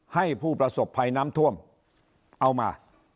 ให้ผู้ประสบภัยน้ำท่วมเอามา